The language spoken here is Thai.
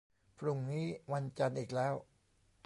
พรุ่งนี้วันจันทร์อีกแล้ว